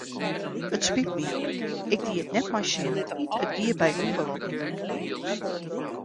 It spyt my, ik die it net mei sin, it gie by ûngelok.